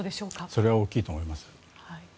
それは大きいと思います。